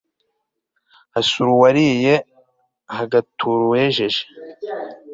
hasura uwariye. hagatura uwejeje